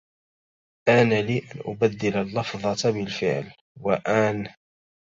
آن لي أن أبدل اللفظة بالفعل, وآنْ